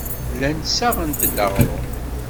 Llant ssaɣent-d aɣrum.